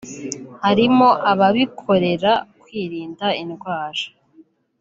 harimo ababikorera kwirinda indwara